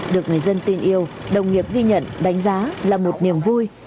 được người dân tin yêu đồng nghiệp ghi nhận đánh giá là một niềm vui